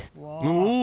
［お！